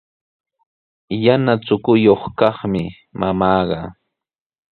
Yana chukuyuq kaqmi mamaaqa.